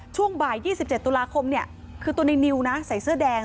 ช่วงบ่าย๒๗ตุลาคมคือตัวนิวใส่เสื้อแดง